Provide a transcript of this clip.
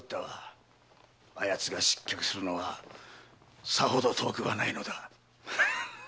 あやつが失脚するのはさほど遠くはないのだ。